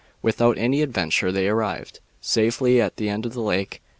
Without any adventure they arrived safely at the end of the lake.